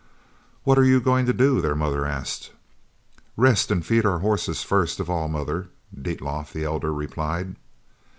"What are you going to do?" their mother asked. "Rest and feed our horses first of all, mother," Dietlof, the elder, replied.